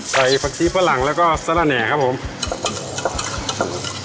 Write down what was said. ใส่ปักชีพลังและก็สระแหน่ครับผม